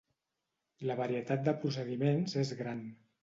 La varietat de procediments és gran.